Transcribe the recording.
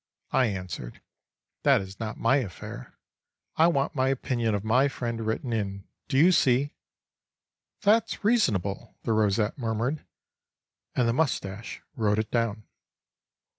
I answered: "That is not my affair. I want my opinion of my friend written in; do you see?" "That's reasonable," the rosette murmured; and the moustache wrote it down.